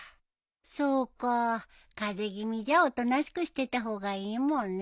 そうか風邪気味じゃおとなしくしてた方がいいもんね。